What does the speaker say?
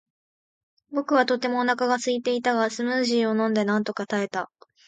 僕はとてもお腹がすいていたが、スムージーを飲んでなんとか耐えた。